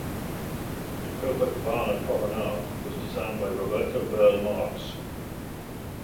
The Copacabana promenade was designed by Roberto Burle Marx.